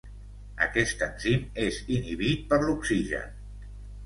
Aquest enzim és inhibit per l'oxigen.